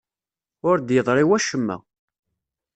Ur d-yeḍri wacemma.